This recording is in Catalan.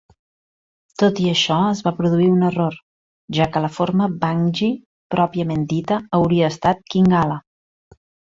Tot i això, es va produir un error, ja que la forma bangi pròpiament dita hauria estat "Kingala".